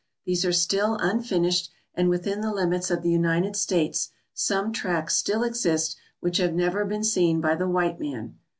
These are still unfinished, and within the limits of the United States some tracts still exist which have never been seen by the white man.